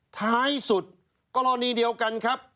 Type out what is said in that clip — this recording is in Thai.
ท้ายสุดกรณีเดียวกันครับ